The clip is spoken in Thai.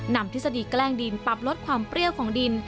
ทฤษฎีแกล้งดินปรับลดความเปรี้ยวของดิน